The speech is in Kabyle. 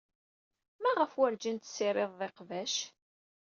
Maɣef werjin tessirideḍ iqbac?